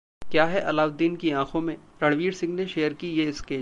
क्या है 'अलाउद्दीन' की आंखों में? रणवीर सिंह ने शेयर की ये स्केच